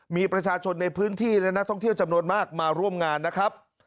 มีประชาชนในพื้นที่และนักท่องเที่ยวจำนวนมากมาร่วมงานนะครับ